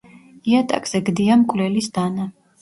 იატაკზე გდია მკვლელის დანა.